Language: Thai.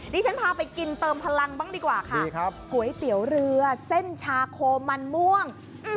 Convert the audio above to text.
ดิฉันพาไปกินเติมพลังบ้างดีกว่าค่ะก๋วยเตี๋ยวเรือเส้นชาโคมันม่วง